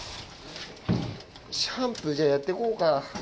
シャンプーじゃあやってこうか。